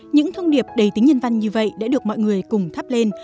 những thông điệp đầy tính nhân văn như vậy đã được mọi người cùng thắp lên